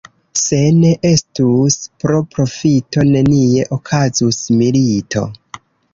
Se ne estus pro profito, nenie okazus milito.